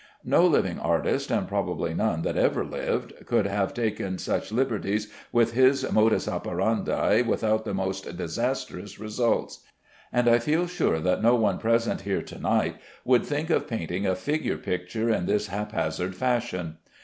No living artist, and probably none that ever lived, could have taken such liberties with his modus operandi without the most disastrous results; and I feel sure that no one present here to night would think of painting a figure picture in this haphazard fashion.